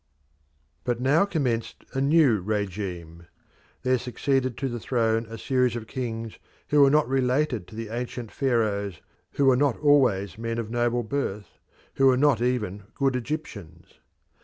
But now commenced a new regime. There succeeded to the throne a series of kings who were not related to the ancient Pharaohs, who were not always men of noble birth, who were not even good Egyptians.